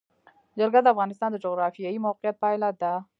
جلګه د افغانستان د جغرافیایي موقیعت پایله ده.